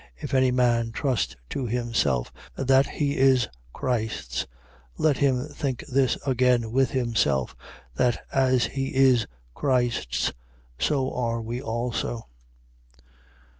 If any man trust to himself, that he is Christ's let him think this again with himself, that as he is Christ's, so are we also.